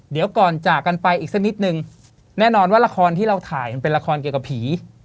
เดี๋ยวก่อนจากกันไปอีกสักนิดนึงแน่นอนว่าละครที่เราถ่ายมันเป็นละครเกี่ยวกับผี